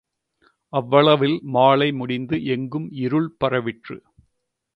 அவ்வளவில் மாலை முடிந்து எங்கும் இருள் பரவிற்று.